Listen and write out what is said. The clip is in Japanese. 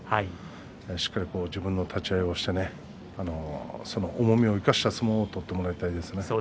しっかり自分の立ち合いをしてその重みを生かした相撲を取ってほしいですね。